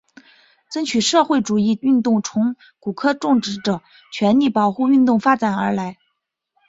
争取社会主义运动从古柯种植者权利保护运动发展而来。